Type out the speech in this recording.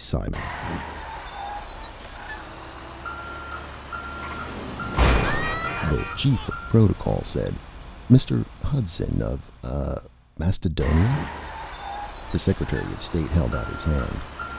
Simak The chief of protocol said, "Mr. Hudson of ah Mastodonia." The secretary of state held out his hand.